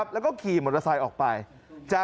ทำไมคงคืนเขาว่าทำไมคงคืนเขาว่า